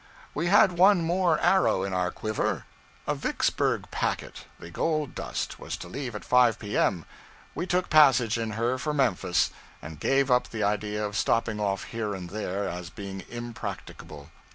We had one more arrow in our quiver: a Vicksburg packet, the 'Gold Dust,' was to leave at 5 P.M. We took passage in her for Memphis, and gave up the idea of stopping off here and there, as being impracticable.